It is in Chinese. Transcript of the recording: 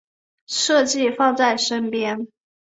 设计放在身边